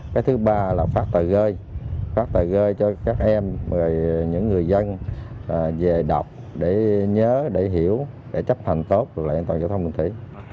cái thứ ba là phát tờ rơi phát tờ rơi cho các em những người dân về đọc để nhớ để hiểu để chấp hành tốt luật lệ an toàn giao thông đường thủy